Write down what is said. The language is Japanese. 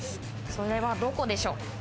それはどこでしょう？